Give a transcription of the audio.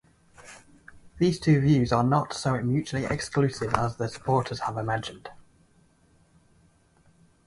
These two views are not so mutually exclusive as their supporters have imagined.